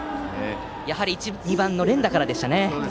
やはり１、２番の連打からでした。